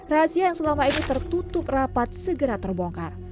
rahasia yang selama ini tertutup rapat segera terbongkar